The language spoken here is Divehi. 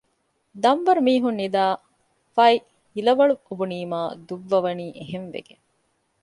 ދަންވަރު މީހުން ނިދައި ފައިހިލަވަޅު އޮބުނީމާ ދުއްވަވަނީ އެހެން ވެގެން